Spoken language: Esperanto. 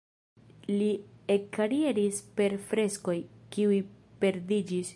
Li ekkarieris per freskoj, kiuj perdiĝis.